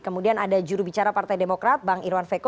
kemudian ada jurubicara partai demokrat bang irwan veko